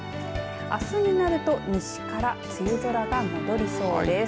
あすになると西から梅雨空が戻りそうです。